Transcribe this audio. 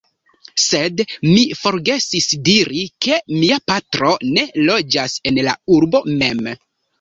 Sed mi forgesis diri, ke mia patro ne loĝas en la urbo mem.